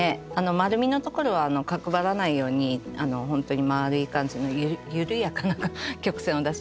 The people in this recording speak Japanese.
まるみのところは角張らないようにほんとにまるい感じの緩やかな曲線を出してますね。